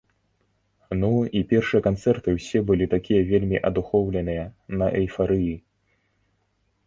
Ну, і першыя канцэрты ўсе былі такія вельмі адухоўленыя, на эйфарыі.